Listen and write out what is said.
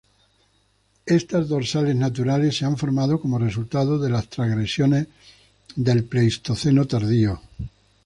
Estas dorsales naturales se han formado como resultado de las transgresiones del Pleistoceno tardío.